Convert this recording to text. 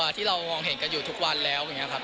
เหมือนคำถามที่มองเห็นกันอยู่ทุกวันแล้วนะครับ